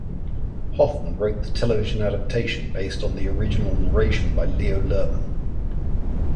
Hoffman wrote the television adaptation based on the original narration by Leo Lerman.